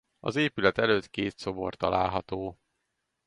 Az épület előtt két szobor található.